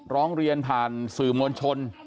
ร้องเรียนผ่านสื่อมวลชน